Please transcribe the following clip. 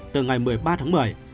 từ ngày một mươi ba tháng một mươi